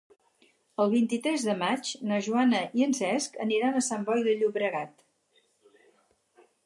El vint-i-tres de maig na Joana i en Cesc aniran a Sant Boi de Llobregat.